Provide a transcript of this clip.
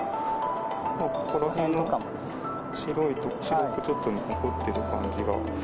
ここら辺とか、白くちょっと残ってる感じが。